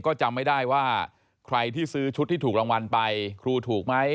ก็จำไม่ได้ว่าใครที่ซื้อชุดที่ถูกรางวัลไปครูถูกไหม